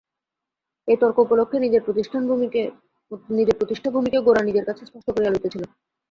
এই তর্ক উপলক্ষে নিজের প্রতিষ্ঠাভূমিকে গোরা নিজের কাছেও স্পষ্ট করিয়া লইতেছিল।